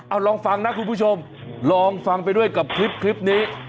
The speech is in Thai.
เอาลองฟังนะคุณผู้ชมลองฟังไปด้วยกับคลิปนี้